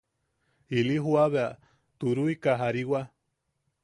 Ili jua bea turuika jariwa.